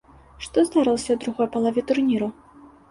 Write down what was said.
Што здарылася ў другой палове турніру?